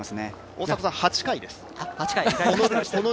大迫さん、８回です。